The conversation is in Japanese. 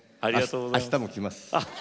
あしたも来ます。